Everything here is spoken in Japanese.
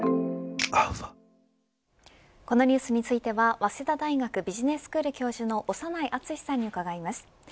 このニュースについては早稲田大学ビジネススクール教授の長内厚さんに伺います。